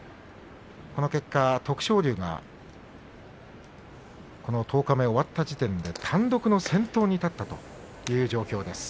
この結果は、徳勝龍がこの十日目終わって単独の先頭に立ったという状況です。